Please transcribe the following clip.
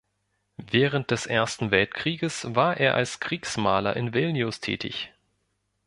Während des Ersten Weltkrieges war er als Kriegsmaler in Vilnius tätig.